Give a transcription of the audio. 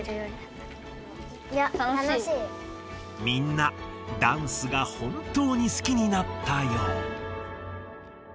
みんなダンスが本当に好きになったよう。